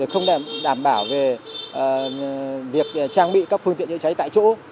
không đảm bảo về việc trang bị các phương tiện chữa cháy tại chỗ